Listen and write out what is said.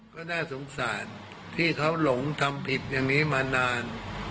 ก็น่าสงสารที่เขาหลงทำผิดอย่างนี้มานาน